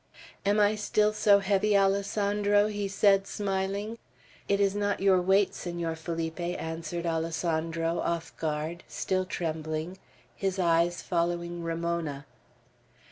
"Am I still so heavy, Alessandro?" he said smiling. "It is not your weight, Senor Felipe," answered Alessandro, off guard, still trembling, his eyes following Ramona.